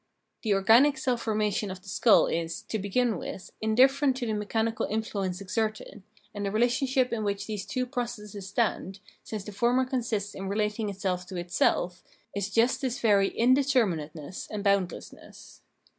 The organic self formation of the skull is, to begin with, indifferent to the mechanical influence exerted, and the relationship in which these two pro cesses stand, since the former consists in relating itself to itself, is just this very indeterm in ateness and bound lessness.